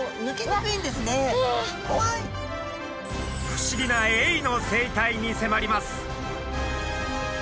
不思議なエイの生態に迫ります！